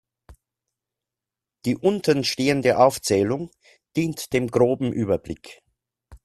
Die unten stehende Aufzählung dient dem groben Überblick.